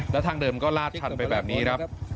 แล้วทางเดิมก็ลาดคันไปแบบนี้ครับ